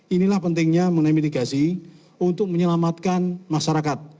inilah pentingnya menemigrasi untuk menyelamatkan masyarakat